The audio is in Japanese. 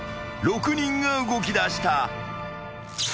［６人が動きだした］